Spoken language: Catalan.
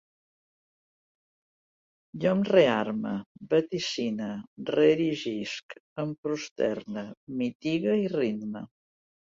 Jo em rearme, vaticine, reerigisc, em prosterne, mitigue, ritme